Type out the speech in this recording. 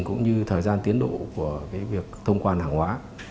cũng như thời gian tiến độ của việc thông quan hàng hóa